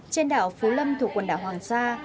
trên đảo phú lâm thuộc quần đảo hoàng sa